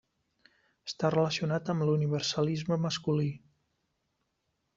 Està relacionat amb l'universalisme masculí.